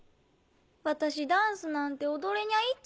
私ダンスなんて踊れにゃいって。